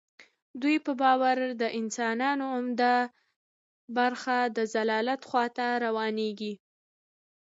دوی په باور د انسانانو عمده برخه د ضلالت خوا ته روانیږي.